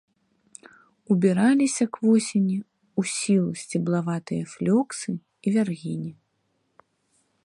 Убіраліся к восені ў сілу сцеблаватыя флёксы і вяргіні.